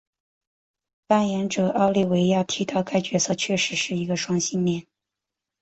扮演者奥利维亚提到该角色确实是一个双性恋。